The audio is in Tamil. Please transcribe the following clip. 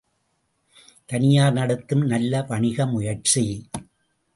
தனியார் நடத்தும் நல்ல வணிக முயற்சி.